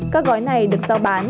các gói này được giao bán